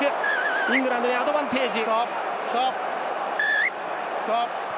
イングランド、アドバンテージ。